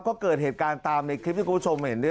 ก็เกิดเหตุการณ์ตามในคลิปที่คุณผู้ชมเห็น